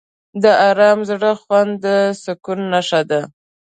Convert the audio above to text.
د آرام زړه خوند د سکون نښه ده.